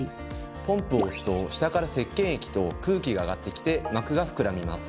ポンプを押すと下からせっけん液と空気が上がってきて膜が膨らみます。